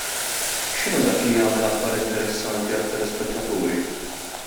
X'inhu dak li jagħmel aħbar interessanti għat-telespettaturi?